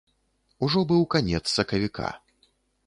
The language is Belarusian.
Ужо быў канец сакавіка.